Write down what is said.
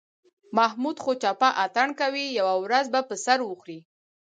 محمود خو په چپه اتڼ کوي، یوه ورځ به سر وخوري.